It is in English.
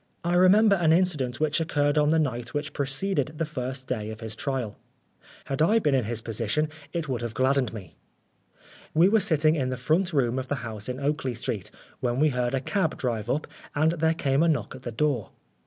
I remember an in cident which occurred on the night which preceded the first day of his trial. Had I been in his position it would have gladdened me. We were sitting in the front room of 168 Oscar Wilde the house in Oakley Street when we heard a cab drive up, and then there came a knock at the door.